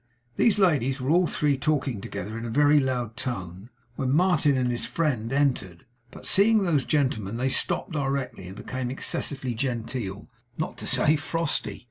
These ladies were all three talking together in a very loud tone when Martin and his friend entered; but seeing those gentlemen, they stopped directly, and became excessively genteel, not to say frosty.